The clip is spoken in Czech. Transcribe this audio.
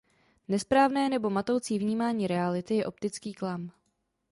Nesprávné nebo matoucí vnímání reality je optický klam.